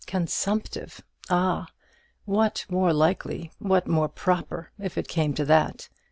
Consumptive! Ah, what more likely, what more proper, if it came to that?